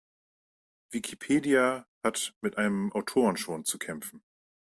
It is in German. Wikipedia hat mit einem Autorenschwund zu kämpfen.